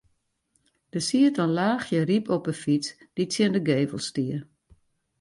Der siet in laachje ryp op 'e fyts dy't tsjin de gevel stie.